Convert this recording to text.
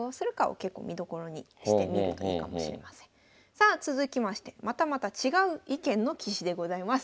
さあ続きましてまたまた違う意見の棋士でございます。